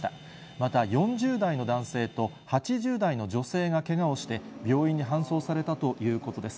また４０代の男性と８０代の女性がけがをして、病院に搬送されたということです。